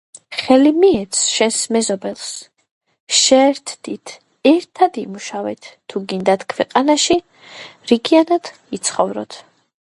„ხელი მიეც შენს მეზობელს, შეერთდით, ერთად იმუშავეთ, თუ გინდათ ქვეყანაში რიგიანად იცხოვროთ.“